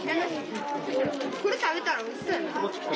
これ食べたらおいしそうやな。